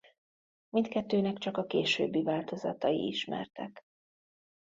Mindkettőnek csak a későbbi változatai ismertek.